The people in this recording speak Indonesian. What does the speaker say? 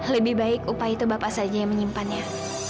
lebih baik upah itu bapak saja yang menyimpannya